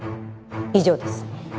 以上です。